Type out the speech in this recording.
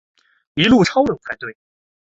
一路超冷才对